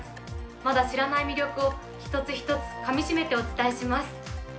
まだ知らない魅力を一つ一つかみしめてお伝えします。